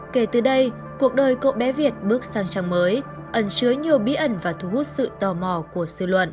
kể từ đây cuộc đời cậu bé việt bước sang trang mới ẩn chứa nhiều bí ẩn và thu hút sự tò mò của dư luận